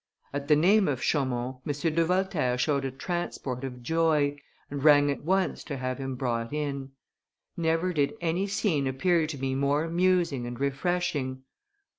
At the name of Chaumont M. de Voltaire showed a transport of joy, and rang at once to have him brought in. Never did any scene appear to me more amusing and refreshing.